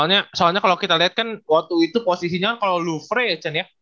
ya soalnya kalau kita lihat kan waktu itu posisinya kalau louvre ya chen ya